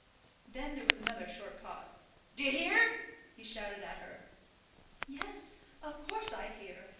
Then there was another short pause. "D'ye hear?" he shouted at her. "Yes; of course I hear.